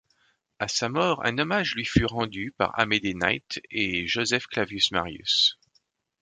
À sa mort, un hommage lui fut rendu par Amédée Knight et Joseph Clavius-Marius.